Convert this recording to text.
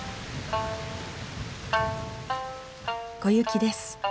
小雪です。